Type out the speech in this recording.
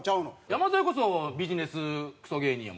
山添こそビジネスクソ芸人やもんな。